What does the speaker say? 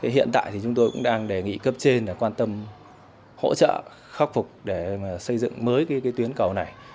hiện tại thì chúng tôi cũng đang đề nghị cấp trên quan tâm hỗ trợ khắc phục để xây dựng mới cái tuyến cầu này